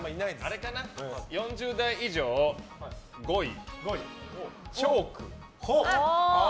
あれかな、４０代以上５位チョーク。